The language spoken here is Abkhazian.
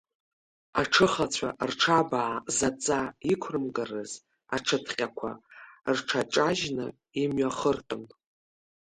Аҽыхацәа рҽабаа заҵа иқәрымгарыз, аҽыҭҟьақәа рҽаҿажьны имҩахырҟьон.